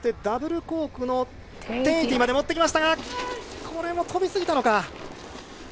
ダブルコークの１０８０まで持ってきましたがこれもとびすぎたのか。